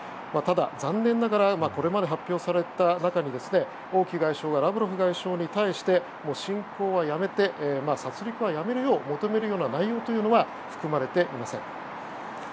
ただ、残念ながらこれまで発表された中に王毅外相がラブロフ外相に対して侵攻はやめて殺戮はやめるよう求めるような内容は含まれていません。